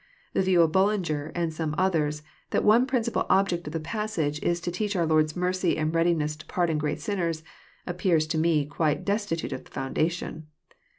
— The view of Bullinger and some others, that one principal object of the passage is to teach our Lora's mercy and readiness to pardon great sinner?, appears to me quite destitute of foundation.